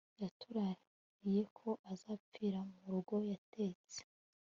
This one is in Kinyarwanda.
yaturahiye ko azapfira murugo. yatetse